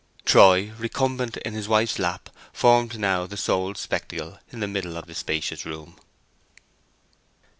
Troy recumbent in his wife's lap formed now the sole spectacle in the middle of the spacious room.